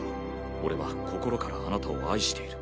俺は心からあなたを愛している。